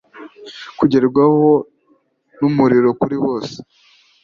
kugerwaho numuriro kuri bose